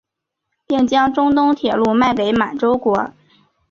并将中东铁路卖给满洲国。